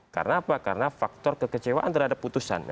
karena apa karena faktor kekecewaan terhadap putusan